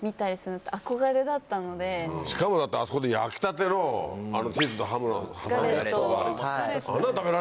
しかもだってあそこで焼きたてのチーズとハムが挟んだやつとか。